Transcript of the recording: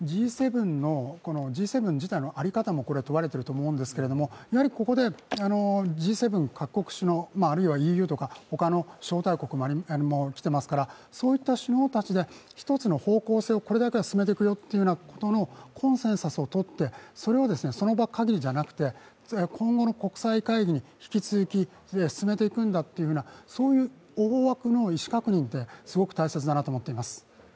Ｇ７の在り方も問われていると思うんですがここでＧ７各国首脳、あるいはＥＵとか他の招待国も来ていますから、そういった首脳たちで、一つの方向性を、これだけは進めていくよというコンセンサスをとってそれをその場限りじゃなくて今後の国際会議に引き続き、進めていくんだというふうなそういう大枠の意思確認ってすごく大切だなと思っています。